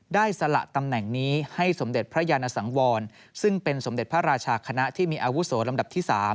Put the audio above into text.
สละตำแหน่งนี้ให้สมเด็จพระยานสังวรซึ่งเป็นสมเด็จพระราชาคณะที่มีอาวุโสลำดับที่๓